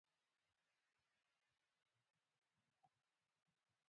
It is the third town in the province by population, after Pavia and Vigevano.